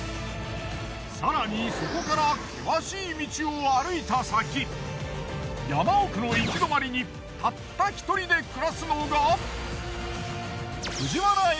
更にそこから険しい道を歩いた先山奥の行き止まりにたった１人で暮らすのが。